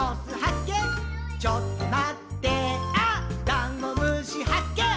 ダンゴムシはっけん